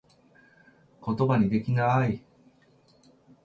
ことばにできなぁい